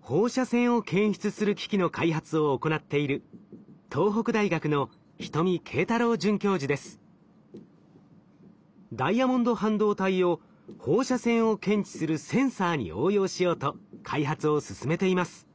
放射線を検出する機器の開発を行っている東北大学のダイヤモンド半導体を放射線を検知するセンサーに応用しようと開発を進めています。